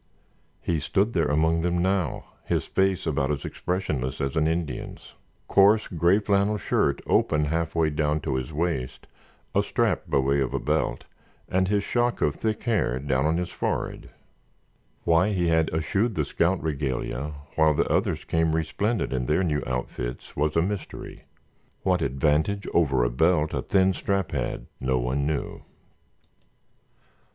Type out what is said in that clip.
He stood there among them now, his face about as expressionless as an Indian's—coarse gray flannel shirt open halfway down to his waist, a strap by way of a belt, and his shock of thick hair down on his forehead. Why he had eschewed the scout regalia while the others came resplendent in their new outfits was a mystery. What advantage over a belt the thin strap had, no one knew.